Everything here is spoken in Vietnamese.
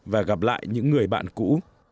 và gặp lại những người bạn cũ